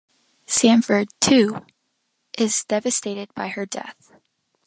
Sanford, too, is devastated by her death.